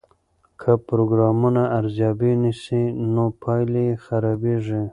که پروګرامونه ارزیابي نسي نو پایلې یې خرابیږي.